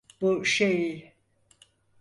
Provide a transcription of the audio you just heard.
Bu şey…